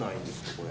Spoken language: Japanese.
これ。